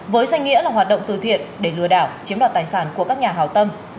với danh nghĩa là hoạt động từ thiện để lừa đảo chiếm đoạt tài sản của các nhà hào tâm